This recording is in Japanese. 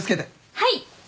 はい。